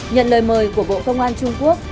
nhận lời mời của bộ công an trung quốc